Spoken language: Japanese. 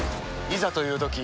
いざというとき